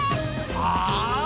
ああ。